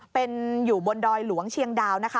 เป็นอยู่บนดอยหลวงเชียงดาวนะคะ